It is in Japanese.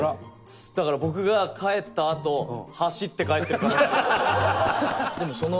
だから僕が帰ったあと走って帰ってる可能性。